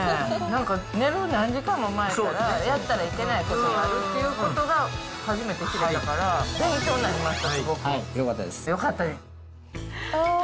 なんか寝る何時間も前からやったらいけないことがあるっていうことが初めて知ったから、勉強になりました、すごく。よかったです。